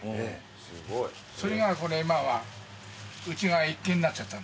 それが今はうちが１軒になっちゃった。